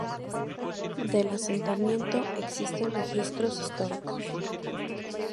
Del asentamiento existen registros históricos.